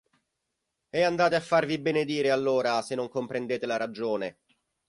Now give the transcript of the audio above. E andate a farvi benedire, allora, se non comprendete la ragione!